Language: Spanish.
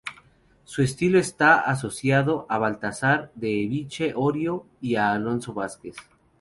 Su estilo está asociado a Baltazar de Echave Orio y a Alonso Vázquez.